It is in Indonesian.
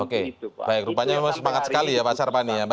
oke baik rupanya memang semangat sekali ya pasar pani ya